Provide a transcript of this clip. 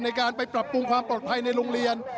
ในการไปปรับปรุงความปลอดภัยในโรงเรียน